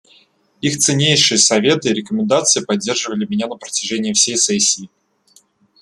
Их ценнейшие советы и рекомендации поддерживали меня на протяжении всей сессии.